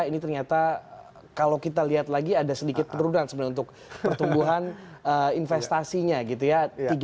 ini ternyata kalau kita lihat lagi ada sedikit penurunan sebenarnya untuk pertumbuhan investasinya gitu ya